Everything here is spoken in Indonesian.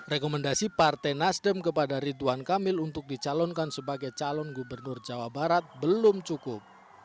rekomendasi partai nasdem kepada ridwan kamil untuk dicalonkan sebagai calon gubernur jawa barat belum cukup